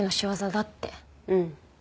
うん。